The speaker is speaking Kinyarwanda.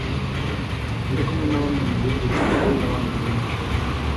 Yari kumwe na bamwe mu bigishwa be n'abandi benshi,